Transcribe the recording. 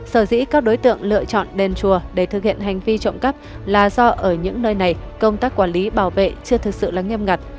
sở dĩ các đối tượng lựa chọn đền chùa để thực hiện hành vi trộm cắp là do ở những nơi này công tác quản lý bảo vệ chưa thực sự lắng nghiêm ngặt